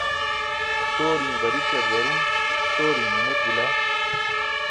toorimi ġarićar darum toorimi mineṭ bila